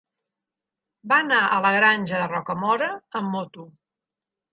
Va anar a la Granja de Rocamora amb moto.